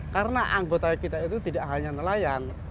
karena anggota kita itu tidak hanya nelayan